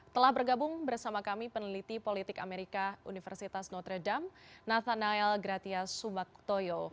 telah bergabung bersama kami peneliti politik amerika universitas notre dame nathaniel gratias subakutoyo